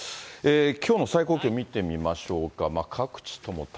きょうの最高気温、見てみましょうか。